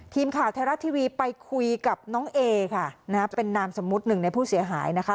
ทีมข่าวไทยรัฐทีวีไปคุยกับน้องเอค่ะนะฮะเป็นนามสมมุติหนึ่งในผู้เสียหายนะคะ